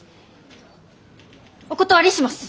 お断りします！